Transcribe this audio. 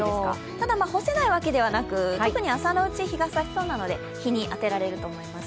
ただ、干せないわけではなく特に朝のうち日がさしそうなので、日に当てられると思います。